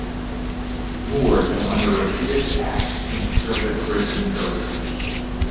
Moore came under repeated attack from the conservative "Brisbane Courier".